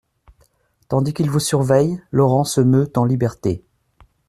Tandis qu'ils vous surveillent, Laurent se meut en liberté.